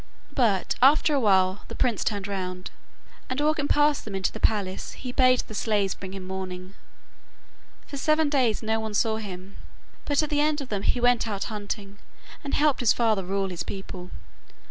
But after a while the prince turned round, and walking past them in to the palace he bade the slaves bring him mourning. For seven days no one saw him, but at the end of them he went out hunting, and helped his father rule his people.